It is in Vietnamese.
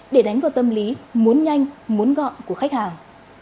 để đánh vào tâm lý muốn nhanh muốn gọn của khách hàng